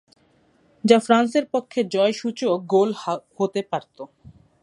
যা ফ্রান্সের পক্ষে জয়সূচক গোল হতে পারত।